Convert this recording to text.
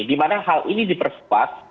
dimana hal ini diperkuat